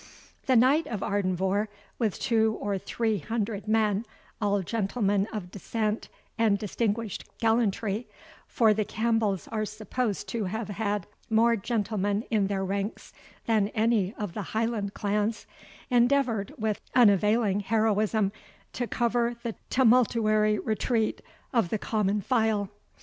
The Knight of Ardenvohr, with two or three hundred men, all gentlemen of descent and distinguished gallantry, for the Campbells are supposed to have had more gentlemen in their ranks than any of the Highland clans, endeavoured, with unavailing heroism, to cover the tumultuary retreat of the common file.